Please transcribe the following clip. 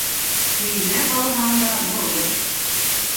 Төймә алһаң да бурлыҡ